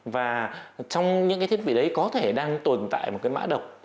và trong những cái thiết bị đấy có thể đang tồn tại một cái mã độc